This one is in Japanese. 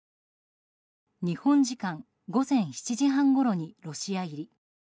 日本時間午前７時半ごろにロシア入り。